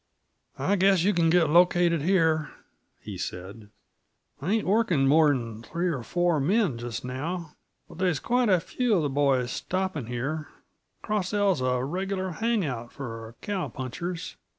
"I guess you can get located here," he said. "I ain't workin' more'n three or four men just now, but there's quite a few uh the boys stopping here; the Cross L's a regular hang out for cow punchers.